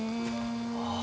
ああ。